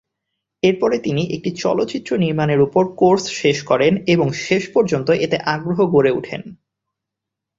এরপরে তিনি একটি চলচ্চিত্র নির্মাণের উপর কোর্স শেষ করেন এবং শেষ পর্যন্ত এতে আগ্রহ গড়ে উঠেন।